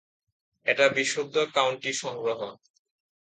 এটা বিশুদ্ধ কাউন্টি সংগ্রহ।